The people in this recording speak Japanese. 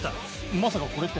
まさかこれって。